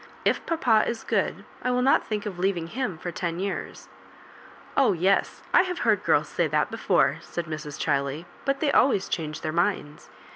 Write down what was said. If papa is good, I will not think of leaving him for ten years." Oh yes ; I have heard girls say that before," said Mrs. Chiley; "but they always changed their minds.